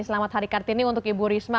selamat hari kartini untuk ibu risma